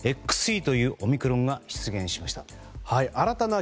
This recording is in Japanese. ＸＥというオミクロンが出現しました。